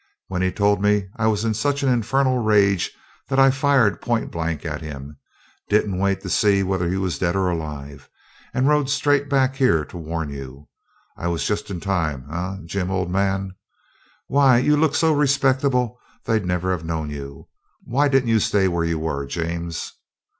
When he told me I was in such an infernal rage that I fired point blank at him; didn't wait to see whether he was dead or alive, and rode straight back here to warn you. I was just in time eh, Jim, old man? Why, you look so respectable they'd never have known you. Why didn't you stay where you were, James?'